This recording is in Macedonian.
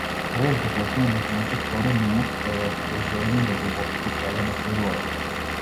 Тогаш започнува нејзината втора немост, која ја подразбираме во длабоката тага на природата.